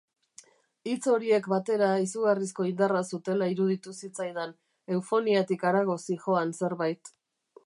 Hitz horiek batera izugarrizko indarra zutela iruditu zitzaidan, eufoniatik harago zihoan zerbait.